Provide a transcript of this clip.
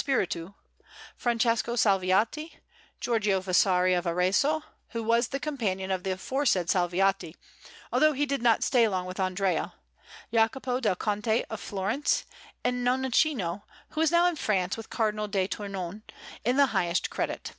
Spirito; Francesco Salviati; Giorgio Vasari of Arezzo, who was the companion of the aforesaid Salviati, although he did not stay long with Andrea; Jacopo del Conte of Florence; and Nannoccio, who is now in France with Cardinal de Tournon, in the highest credit.